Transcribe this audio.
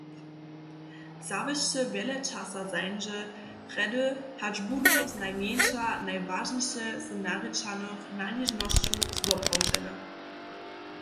Zawěsće wjele časa zańdźe, prjedy hač budu znajmjeńša najwažniše z narěčanych naležnosćow zwoprawdźene.